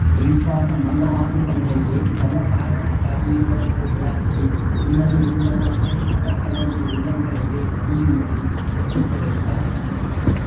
குறிப்பாக மதவாதிகள் இடையே பல காரண காரியங்களோடு விளக்கி, உள்ளதை உள்ளவாறே அவர்களது உள்ளங்களிலே பதியும்படி எடுத்துரைத்தார்.